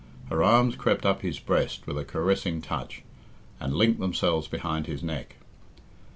Her arms crept up his breast with a caressing touch, and linked themselves behind his neck.